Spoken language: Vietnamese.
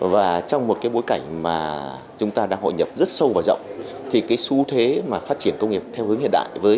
và trong một cái bối cảnh mà chúng ta đang hội nhập rất sâu và rộng thì cái xu thế mà phát triển công nghiệp theo hướng hiện đại